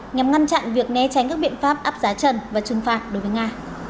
nhằm ngăn chặn việc né tránh các biện pháp áp giá trần và trừng phạt đối với nga